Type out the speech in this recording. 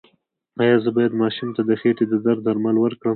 ایا زه باید ماشوم ته د خېټې د درد درمل ورکړم؟